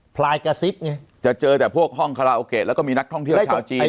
พลายกระซิบไงจะเจอแต่พวกห้องคาราโอเกะแล้วก็มีนักท่องเที่ยวชาวจีน